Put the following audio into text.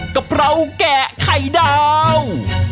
กะเพราแกะไข่ดาว